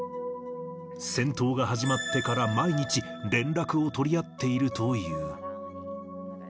戦闘が始まってから毎日、連絡を取り合っているという。